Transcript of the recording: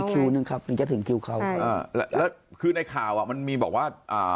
อีกคิวหนึ่งครับหนึ่งจะถึงคิวเขาคือในข่าวมันมีบอกว่า